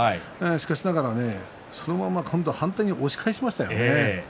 しかしながら、そのまま今度は反対に押し返しましたよね。